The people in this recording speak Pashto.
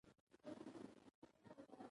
د هغوی غوښتنو ته باید پاملرنه وشي.